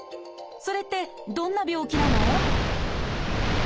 それってどんな病気なの？